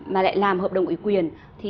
mà lại làm hợp đồng ủy quyền thì